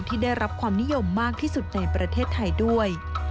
ที่ได้รับความนิยมมากที่สุดในประเทศไทยด้วย